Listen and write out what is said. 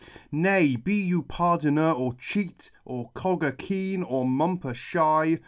Nay, be you pardoner or cheat. Or cogger keen, or mumper shy.